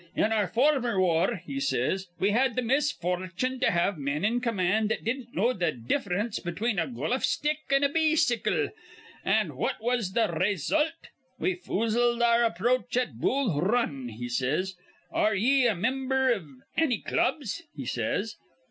'In our former war,' he says, 'we had th' misfortune to have men in command that didn't know th' diff'rence between a goluf stick an' a beecycle; an' what was th' raysult? We foozled our approach at Bull R run,' he says. 'Ar re ye a mimber iv anny clubs?' he says.